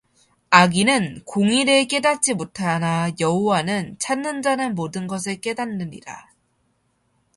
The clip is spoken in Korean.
악인은 공의를 깨닫지 못하나 여호와를 찾는 자는 모든 것을 깨닫느니라